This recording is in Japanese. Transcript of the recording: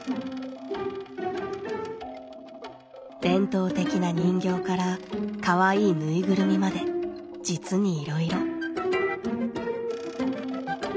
伝統的な人形からかわいいぬいぐるみまで実にいろいろ。